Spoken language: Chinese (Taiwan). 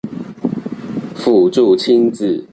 輔助親子